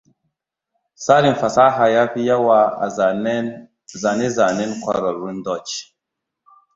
Tarin fasaha ya fi yawa a zane-zanen ƙwararrun Dutch.